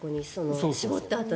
絞ったあとに。